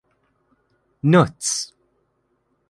Nuts!